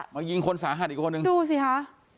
ยิงคนสาหัสอีกคนนึงดูสิคะ